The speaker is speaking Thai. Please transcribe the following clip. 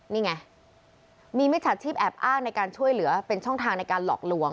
นี่ไงมีมิจฉาชีพแอบอ้างในการช่วยเหลือเป็นช่องทางในการหลอกลวง